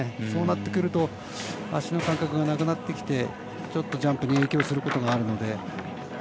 そうなってくると足の感覚がなくなってきてちょっとジャンプに影響することがあるので。